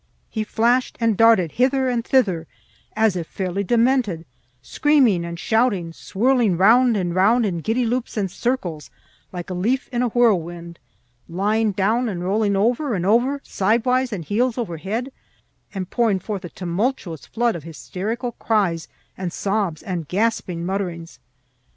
He flashed and darted hither and thither as if fairly demented, screaming and shouting, swirling round and round in giddy loops and circles like a leaf in a whirlwind, lying down, and rolling over and over, sidewise and heels over head, and pouring forth a tumultuous flood of hysterical cries and sobs and gasping mutterings.